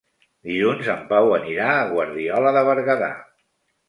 Dilluns en Pau anirà a Guardiola de Berguedà.